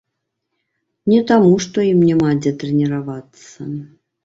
Не таму, што ім няма дзе трэніравацца.